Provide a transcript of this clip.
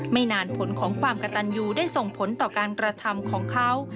ไม่นานผลของความกระตันยูได้ส่งผลต่อการกระทำของเขา